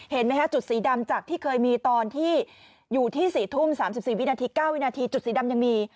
เห็นไหมฮะจุดสีดำจากที่เคยมีตอนที่อยู่ที่๔ทุ่ม๓๔วินาที๙วินาทีจุดสีดำยังมี